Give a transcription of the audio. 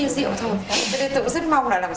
tôi cũng rất mong là làm sao